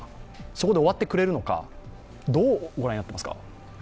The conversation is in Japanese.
そこで終わってくれるのか、どう御覧になっていますか。